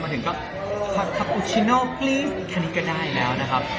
มาถึงก็คับอุชิโน่ปลี๊บแค่นี้ก็ได้แล้วนะครับ